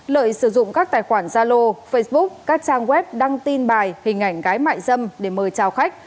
lợi sử dụng các tài khoản gia lô facebook các trang web đăng tin bài hình ảnh gái mại dâm để mời trao khách